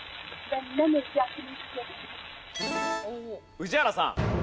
宇治原さん。